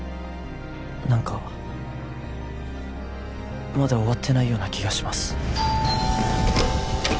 何かまだ終わってないような気がします